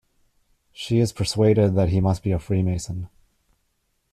She is persuaded that he must be a Freemason.